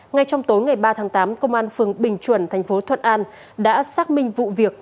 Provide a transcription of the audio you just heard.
ngay trong tối ngày ba tháng tám công an phường bình chuẩn thành phố thuận an đã xác minh vụ việc